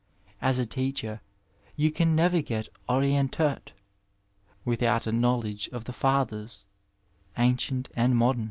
As a teacher you can never get orientift without a knowledge of the Fathers, ancient and modem.